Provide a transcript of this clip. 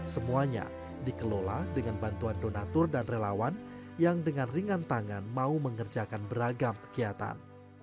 semuanya dikelola dengan bantuan donatur dan relawan yang dengan ringan tangan mau mengerjakan beragam kegiatan